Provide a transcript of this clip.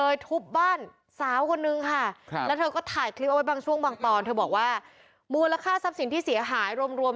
ยังเตรียมไม่เดียวย